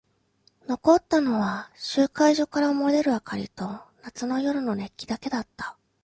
残ったのは集会所から漏れる明かりと夏の夜の熱気だけだった。